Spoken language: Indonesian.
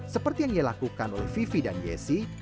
seperti yang ia lakukan oleh vivi dan yesi